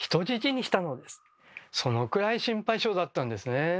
そのくらい心配性だったんですね。